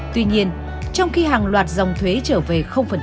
tuy nhiên trong khi hàng loạt dòng thuế trở về